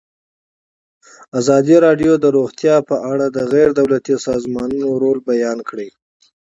ازادي راډیو د روغتیا په اړه د غیر دولتي سازمانونو رول بیان کړی.